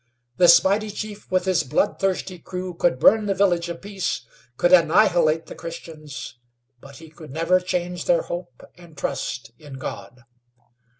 This mighty chief with his blood thirsty crew could burn the Village of Peace, could annihilate the Christians, but he could never change their hope and trust in God.